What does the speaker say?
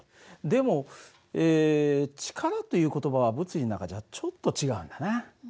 でも力という言葉は物理の中じゃちょっと違うんだな。